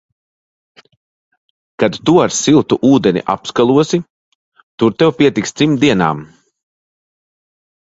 Kad tu ar siltu ūdeni apskalosi, tur tev pietiks trim dienām.